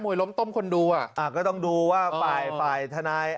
มวยล้มต้มคนดูอ่ะก็ต้องดูว่าภายภายทนนย